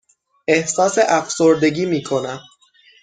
احساس افسردگی می کنم.